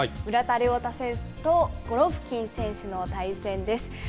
村田諒太選手と、ゴロフキン選手の対戦です。